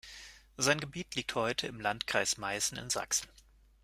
Sein Gebiet liegt heute im Landkreis Meißen in Sachsen.